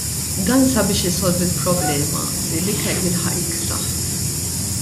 Dan sabiex isolvi l-problema li l-ikel jilħaq jiksaħ.